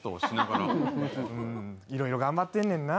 いろいろ頑張ってんねんな。